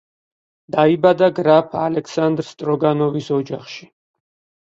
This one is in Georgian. დაიბადა გრაფ ალექსანდრ სტროგანოვის ოჯახში.